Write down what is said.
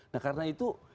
nah karena itu